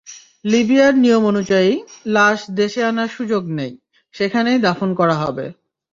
লিবিয়ার নিয়ম অনুযায়ী, লাশ দেশে আনার সুযোগ নেই, সেখানেই দাফন করা হবে।